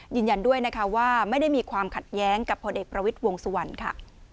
ยืนยันด้วยนะคะว่าไม่ได้มีความขัดแย้งกับผลเอกประวิทย์วงสุวรรณค่ะ